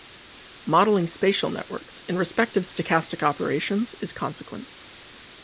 Modelling spatial networks in respect of stochastic operations is consequent.